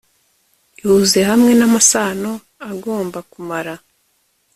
Ihuze hamwe namasano agomba kumara